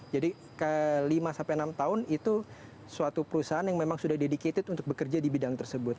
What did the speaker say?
jadi ke lima sampai enam tahun itu suatu perusahaan yang memang sudah dedicated untuk bekerja di bidang tersebut